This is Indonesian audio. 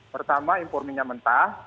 pertama impor minyak mentah